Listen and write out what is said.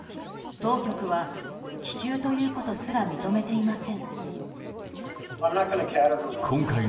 当局は気球ということすら認めていません。